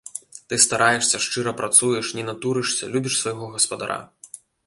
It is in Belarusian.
Ты стараешся, шчыра працуеш, не натурышся, любіш свайго гаспадара.